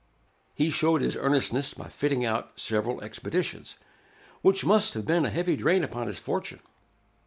He showed his earnestness by fitting out several expeditions, which must have been a heavy drain upon his fortune.